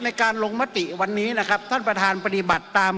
ในการลงคันติวันนี้นะครับ